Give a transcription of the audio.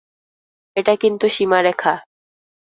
এটা কিন্তু সীমারেখা!